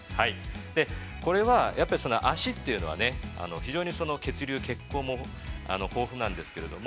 これは、足というのは、非常に血流血行も豊富なんですけれども。